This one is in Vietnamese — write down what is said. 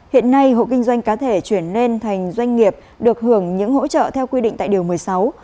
hiện nay hộ kinh doanh cá thể chuyển lên thành doanh nghiệp được hưởng những hỗ trợ theo quy định tại điều một mươi sáu